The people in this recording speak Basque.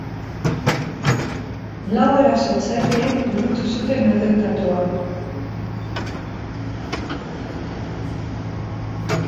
Lau erasotzaileek burutu zuten atentatua.